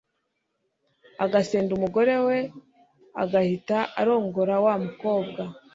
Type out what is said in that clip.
agasenda umugore we agahita arongora wa mukobwa